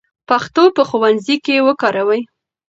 پښتو په ښوونځي کې وکاروئ.